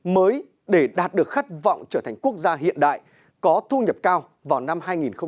mới để đạt được khát vọng trở thành quốc gia hiện đại có thu nhập cao vào năm hai nghìn bốn mươi